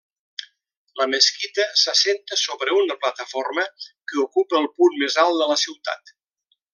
La mesquita s'assenta sobre una plataforma que ocupa el punt més alt de la ciutat.